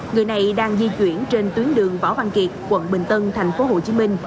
người này đang di chuyển trên tuyến đường võ văn kiệt quận bình tân thành phố hồ chí minh